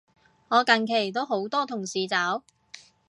我近期都好多同事走